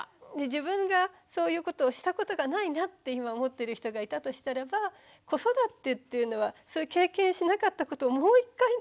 自分がそういうことをしたことがないなって今思ってる人がいたとしたらば子育てっていうのはそういう経験しなかったことをもう一回ね